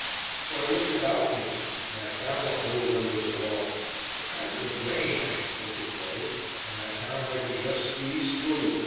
"So I looked about me, and I found a hole under the wall; a kind of a drain I should think it was, and I found I could just squeeze through.